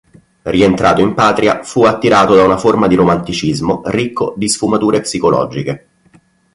Rientrato in patria fu attirato da una forma di romanticismo ricco di sfumature psicologiche.